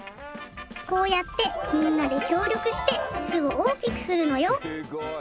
こうやってみんなで協力して巣を大きくするのよすごい。